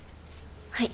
はい。